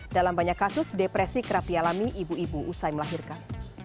dalam banyak kasus depresi kerap dialami ibu ibu usai melahirkan